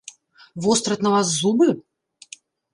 Востраць на вас зубы?